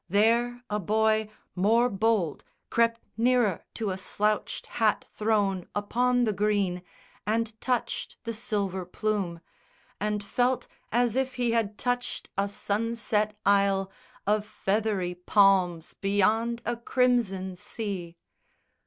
There a boy More bold crept nearer to a slouched hat thrown Upon the green, and touched the silver plume, And felt as if he had touched a sunset isle Of feathery palms beyond a crimson sea.